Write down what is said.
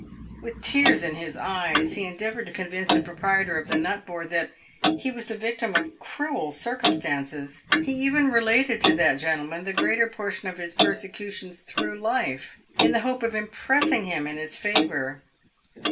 "With tears in his eyes, he endeavoured to convince the proprietor of the nut board that he was the victim of cruel circumstances. He even related to that gentleman the greater portion of his persecutions through life, in the hope of impressing him in his favour.